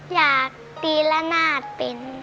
อยากตีละนาดเป็น